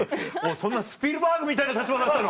そんなスピルバーグみたいな立場だったの。